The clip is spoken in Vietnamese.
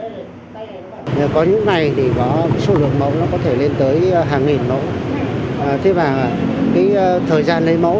có những ngày thì có số lượng mẫu nó có thể lên tới hàng nghìn mẫu thế mà cái thời gian lấy mẫu